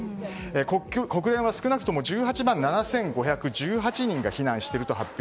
国連は少なくとも１８万７５１８人が避難していると発表。